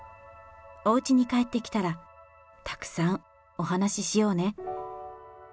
おうちに帰ってきたら、たくさんお話しようね。